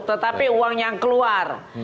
tetapi uang yang keluar